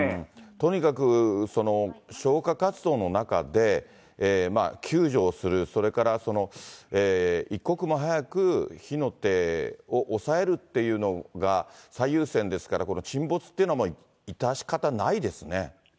とにかく消火活動の中で、救助をする、それから一刻も早く火の手を抑えるっていうのが最優先ですから、この沈没っていうのは、致し方ないですね。